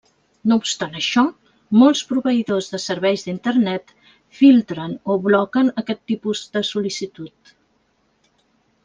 No obstant això, molts proveïdors de serveis d'Internet filtren o bloquen aquest tipus de sol·licitud.